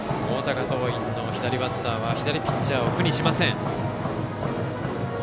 大阪桐蔭の左バッターは左ピッチャーを苦にしません。